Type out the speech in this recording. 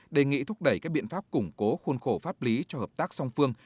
đề nghị thúc đẩy các biện pháp củng cố khuôn khổ pháp lý cho hợp tác song phương